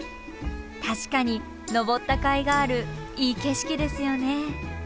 確かに登ったかいがあるいい景色ですよね。